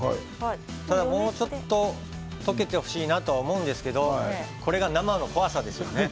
ただもうちょっと溶けてほしいなと思うんですけどこれが生の怖さですよね。